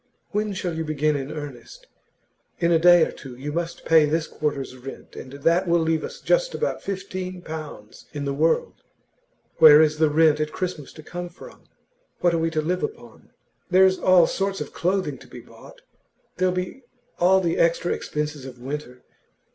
'When shall you begin in earnest? In a day or two you must pay this quarter's rent, and that will leave us just about fifteen pounds in the world. Where is the rent at Christmas to come from? What are we to live upon? There's all sorts of clothing to be bought; there'll be all the extra expenses of winter.